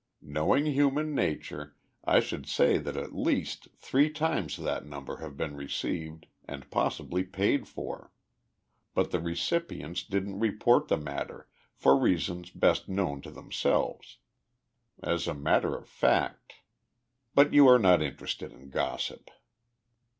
Knowing human nature, I should say that at least three times that number have been received and possibly paid for. But the recipients didn't report the matter for reasons best known to themselves. As a matter of fact But you're not interested in gossip."